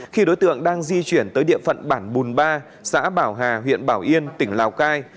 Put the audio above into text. khi đối tượng đang di chuyển tới địa phận bản bùn ba xã bảo hà huyện bảo yên tỉnh lào cai